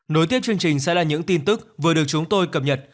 nối tiếp chương trình sẽ là những tin tức vừa được chúng tôi cập nhật